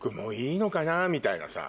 みたいなさ。